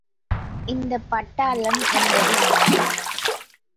இந்தப் பட்டாளம் என்பது என்ன?